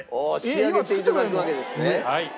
仕上げて頂くわけですね。